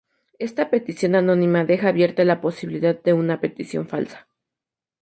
Esta petición anónima deja abierta la posibilidad de una petición falsa.